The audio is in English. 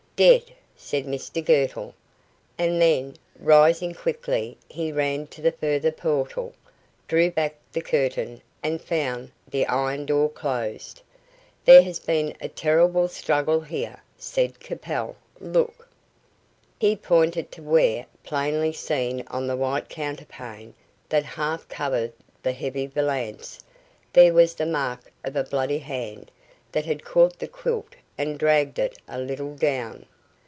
"Dead!" said Mr Girtle; and then, rising quickly, he ran to the further portal, drew back the curtain, and found the iron door closed. "There has been a terrible struggle here," said Capel. "Look." He pointed to where, plainly seen on the white counterpane that half covered the heavy valance, there was the mark of a bloody hand that had caught the quilt and dragged it a little down.